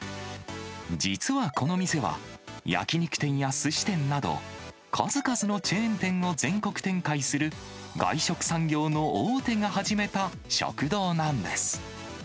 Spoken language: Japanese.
実はこの店は、焼き肉店やすし店など、数々のチェーン店を全国展開する、外食産業の大手が始めた食堂なんです。